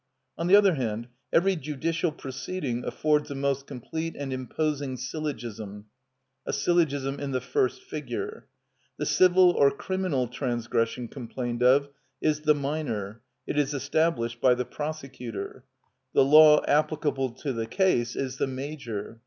On the other hand, every judicial proceeding affords a most complete and imposing syllogism, a syllogism in the first figure. The civil or criminal transgression complained of is the minor; it is established by the prosecutor. The law applicable to the case is the major.